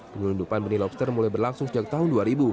penyelundupan benih lobster mulai berlangsung sejak tahun dua ribu